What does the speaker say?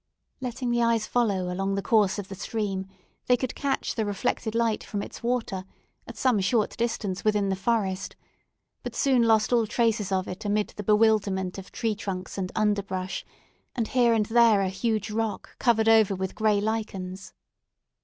Letting the eyes follow along the course of the stream, they could catch the reflected light from its water, at some short distance within the forest, but soon lost all traces of it amid the bewilderment of tree trunks and underbrush, and here and there a huge rock covered over with gray lichens.